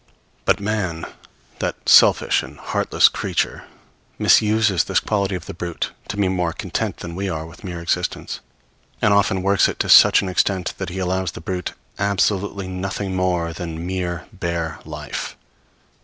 But man, that selfish and heartless creature, misuses this quality of the brute to be more content than we are with mere existence, and often works it to such an extent that he allows the brute absolutely nothing more than mere, bare life.